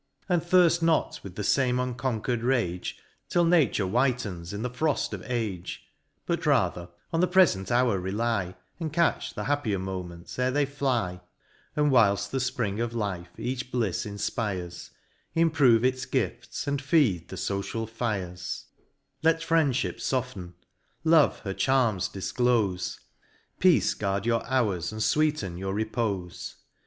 — And thirft not with the fame unconquer'd rage. Till nature whitens in the froft of age ; But rather, on the prefent hour rely, And catch the happier moments ere they fly ; And whilfl the fpring of life each blifs infpires, Improve its gifts, and feed the focial fires : Let MOUNT PLEASANT. ii Let Friendfhip foften, Love her charms difclofe, Peace guard your hours, and fweeten your repofe.